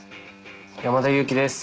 山田裕貴です。